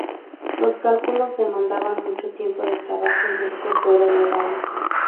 Los cálculos demandaban mucho tiempo de trabajo y el costo era elevado.